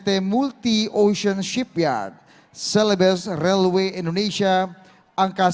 pt multi ocean shipyard celebes railway indonesia angkasa pura i